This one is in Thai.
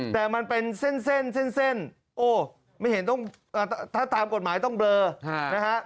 แต่มันเป็นเส้นไม่เห็นต้องถ้าตามกฎหมายต้องเบลอนะครับ